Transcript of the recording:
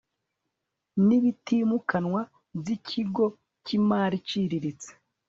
n ibitimukanwa by ikigo cy imari iciriritse